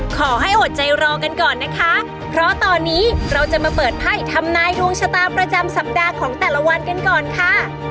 ขอให้อดใจรอกันก่อนนะคะเพราะตอนนี้เราจะมาเปิดไพ่ทำนายดวงชะตาประจำสัปดาห์ของแต่ละวันกันก่อนค่ะ